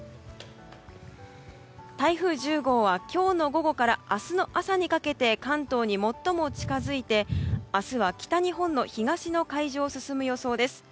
台風１０号は今日の午後から明日の朝にかけて関東に最も近づいて明日は北日本の東の海上を進む予想です。